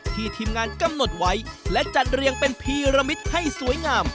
ทีมงานกำหนดไว้และจัดเรียงเป็นพีรมิตให้สวยงาม